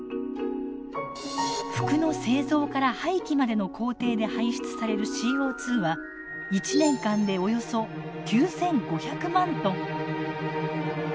服の製造から廃棄までの工程で排出されるＣＯ２は１年間でおよそ９，５００万トン。